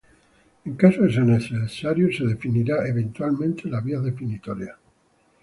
En caso de ser necesario, se definirá eventualmente las vías definitorias.